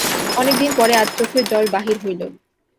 অনেকদিন পরে আজ চোখের জল বাহির হইল।